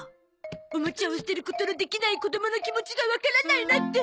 おもちゃを捨てることのできない子供の気持ちがわからないなんて！